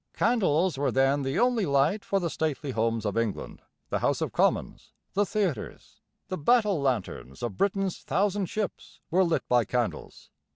Candles were then the only light for the stately homes of England, the House of Commons, the theatres. The battle lanterns of Britain's thousand ships were lit by candles.